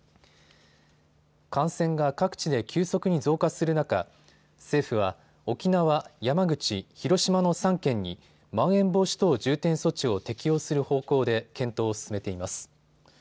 感染が各地で急速に増加する中、政府は沖縄、山口、広島の３県にまん延防止等重点措置を適用する方向で検討を進めています。